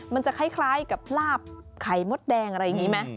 มันจะคล้ายกับลาบไข่มดแดงอะไรอย่างนี้ไหม